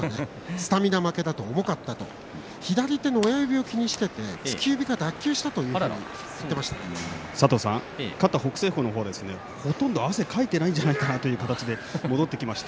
スタミナは負けたと、重かったと左手の親指を気にしていて突き指か、脱臼した勝った北青鵬ですがほとんど汗をかいていないじゃないかなという形で戻ってきました。